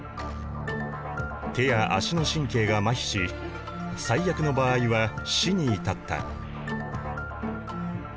手や足の神経がまひし最悪の場合は死に至った。